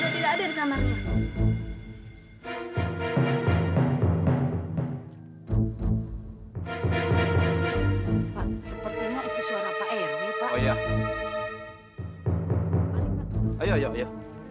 barang barangnya sudah tidak ada di kamarnya